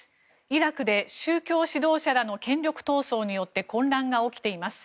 イラクで宗教指導者らの権力闘争によって混乱が起きています。